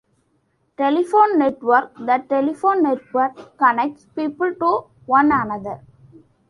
Telephone network: the telephone network connects people to one another.